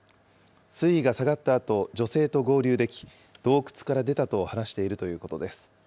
水位が下がったあと、女性と合流でき、洞窟から出たと話しているということです。